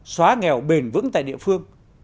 xóa nghèo bền vững tại địa phương